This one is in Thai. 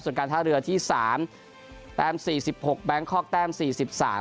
ส่วนการท่าเรือที่สามแต้มสี่สิบหกแบงคอกแต้มสี่สิบสาม